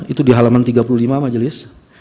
itu di halaman tiga puluh lima majelis